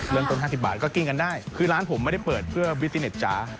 ต้น๕๐บาทก็กินกันได้คือร้านผมไม่ได้เปิดเพื่อบิติเน็ตจ๋า